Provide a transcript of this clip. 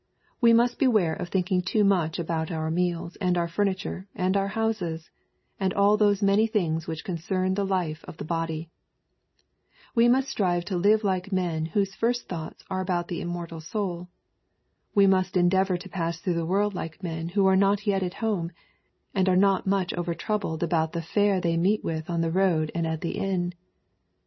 We must beware of thinking too much about our meals, and our furniture, and our houses, and all those many things which concern the life of the body. We must strive to live like men whose first thoughts are about the immortal soul. We must en deavor to pass through the world like men who are not yet at home, and are not overmuch troubled about the fare they meet with on the road and at the inn.